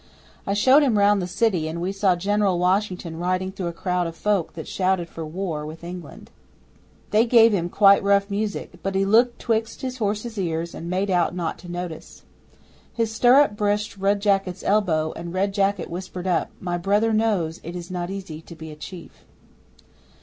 I showed him round the city, and we saw General Washington riding through a crowd of folk that shouted for war with England. They gave him quite rough music, but he looked 'twixt his horse's ears and made out not to notice. His stirrup brished Red Jacket's elbow, and Red Jacket whispered up, "My brother knows it is not easy to be a chief."